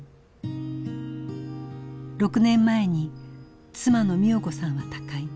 ６年前に妻の美代子さんは他界。